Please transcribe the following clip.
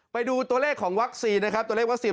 ไปดูตัวเลขของวัคซีนนะครับตัวเลขวัคซีน